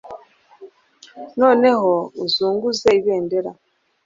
noneho uzunguze ibendera